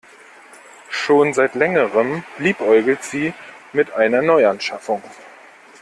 Schon seit längerem liebäugelt sie mit einer Neuanschaffung.